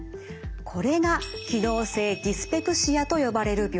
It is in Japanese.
これが機能性ディスペプシアと呼ばれる病気です。